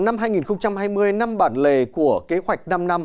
năm hai nghìn hai mươi năm bản lề của kế hoạch năm năm